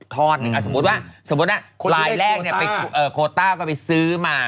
ทอดหนึ่งสมมุติว่าลายแรกเนี่ยโคต้าก็ไปซื้อมา